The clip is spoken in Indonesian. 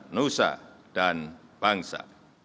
nusa dan bangsa